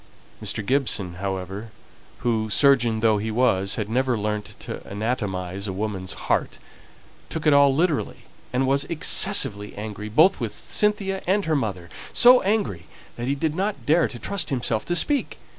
Mr. Gibson, however, who, surgeon though he was, had never learnt to anatomize a woman's heart, took it all literally, and was excessively angry both with Cynthia and her mother; so angry that he did not dare to trust himself to speak.